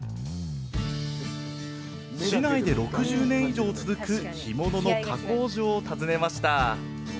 市内で６０年以上続く干物の加工場を訪ねました